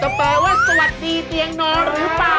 แปลว่าสวัสดีเตียงนอนหรือเปล่า